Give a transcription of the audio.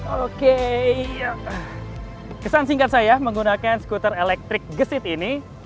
oke kesan singkat saya menggunakan skuter elektrik gesit ini